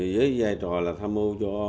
với giai trò là tham mưu cho